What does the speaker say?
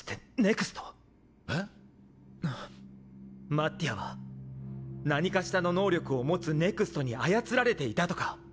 マッティアは何かしらの能力を持つＮＥＸＴに操られていたとか？